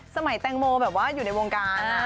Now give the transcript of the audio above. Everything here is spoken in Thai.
สมัยแตงโมอยู่ในวงการ